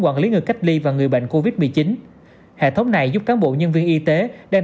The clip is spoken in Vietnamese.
quản lý người cách ly và người bệnh covid một mươi chín hệ thống này giúp cán bộ nhân viên y tế đang